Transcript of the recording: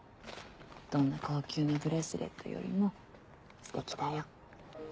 どんな高級なブレスレットよりもステキだよ。